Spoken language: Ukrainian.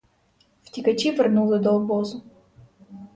Втікачі вернули до обозу.